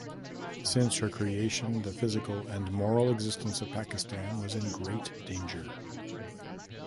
Since her creation, the physical and moral existence of Pakistan was in great danger.